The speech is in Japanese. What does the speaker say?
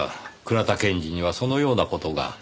倉田検事にはそのような事が。